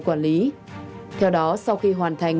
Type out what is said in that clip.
quản lý theo đó sau khi hoàn thành